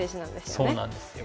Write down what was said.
そうなんですよ。